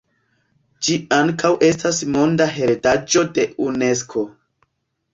Ĝi ankaŭ estas Monda heredaĵo de Unesko.